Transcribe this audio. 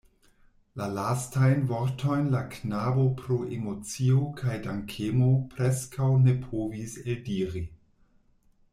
La lastajn vortojn la knabo pro emocio kaj dankemo preskaŭ ne povis eldiri.